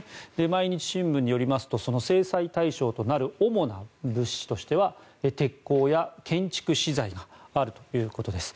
毎日新聞によりますとその制裁対象となる主な物資としては鉄鋼や建築資材があるということです。